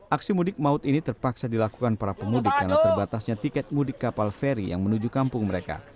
aksi mudik maut ini terpaksa dilakukan para pemudik karena terbatasnya tiket mudik kapal feri yang menuju kampung mereka